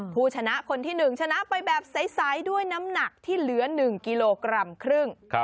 ผู้ชนะคนที่๑ชนะไปแบบใสด้วยน้ำหนักที่เหลือ๑กิโลกรัมครึ่ง